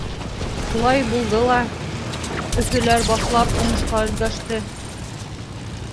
Шулай булды ла, өфөләр башлап уңышҡа өлгәште.